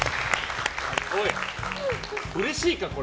うれしいかこれ。